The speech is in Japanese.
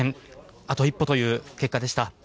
あと一歩という結果でした。